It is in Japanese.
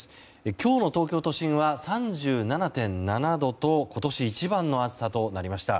今日の東京都心は３７．７度と今年一番の暑さとなりました。